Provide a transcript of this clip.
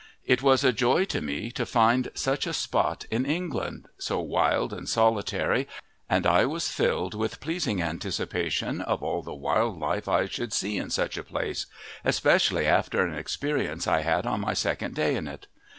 It was a joy to me to find such a spot in England, so wild and solitary, and I was filled with pleasing anticipation of all the wild life I should see in such a place, especially after an experience I had on my second day in it.